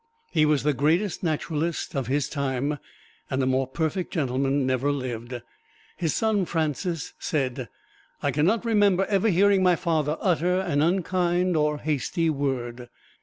He was the greatest naturalist of his time, and a more perfect gentleman never lived. His son Francis said: "I can not remember ever hearing my father utter an unkind or hasty word.